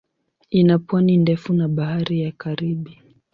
Ina pwani ndefu na Bahari ya Karibi.